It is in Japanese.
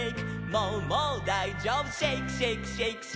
「もうもうだいじょうぶシェイクシェイクシェイクシェイク」